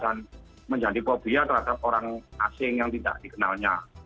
dan menjadi fobia terhadap orang asing yang tidak dikenalnya